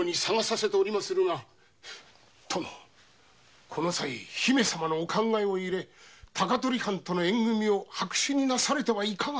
殿このさい姫様のお考えを入れ高取藩との縁組みを白紙になされてはいかがかと。